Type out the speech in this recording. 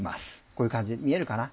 こういう感じで見えるかな？